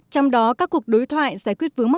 trong đó các cuộc đối thoại giải quyết vướng